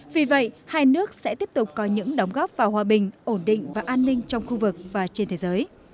vì vậy hai nước sẽ tiếp tục có những đóng góp vào hòa bình ổn định và an ninh trong khu vực và trên thế giới